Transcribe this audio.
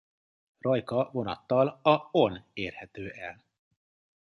Rajka vonattal a on érhető el.